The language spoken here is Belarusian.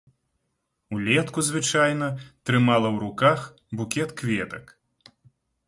Улетку звычайна трымала ў руках букет кветак.